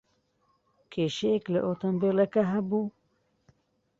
کێشەیەک لە ئۆتۆمۆبیلەکە ھەبوو؟